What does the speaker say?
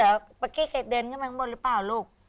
เมื่อกี้เคยเดินข้างบนหรือเปล่าลูก